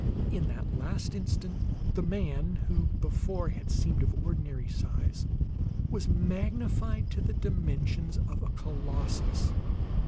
In that last instant the man who before had seemed of ordinary size, was magnified to the dimensions of a colossus.